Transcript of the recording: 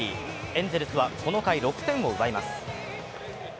エンゼルスはこの回、６点を奪います。